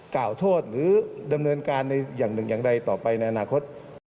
กล่าวโทษหรือดำเนินการในอย่างหนึ่งอย่างใดต่อไปในอนาคต